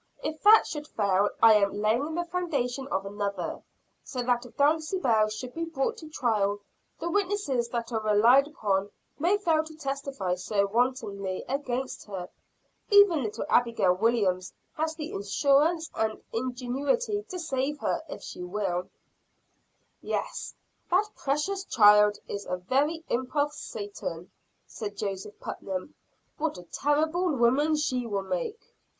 If that should fail, I am laying the foundation of another so that if Dulcibel should be brought to trial, the witnesses that are relied upon may fail to testify so wantonly against her. Even little Abigail Williams has the assurance and ingenuity to save her, if she will." "Yes, that precocious child is a very imp of Satan," said Joseph Putnam. "What a terrible woman she will make."